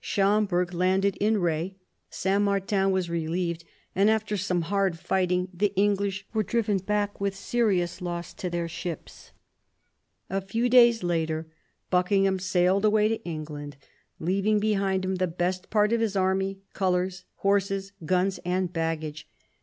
Schomberg landed in Re, Saint Martin was relieved, and after some hard fighting the English were driven back with serious loss to their ships. A few days later Buckingham sailed away to England, leaving behind him the best part of his army, colours, horses, guns, and baggage.